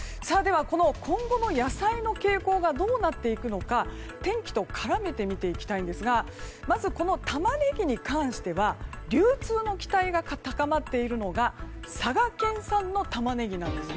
今後の野菜の傾向がどうなっていくのか天気と絡めて見ていきたいんですがまず、このタマネギに関しては流通の期待が高まっているのが佐賀県産のタマネギです。